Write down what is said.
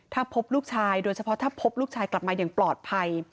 ถ้าพบลูกชายโดยเฉพาะถ้าพบลูกชายกลับมาอย่างปลอดภัย